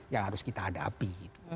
yang harus kita hadapi